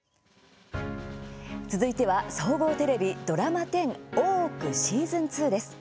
続いては総合テレビ、ドラマ１０「大奥」シーズン２です。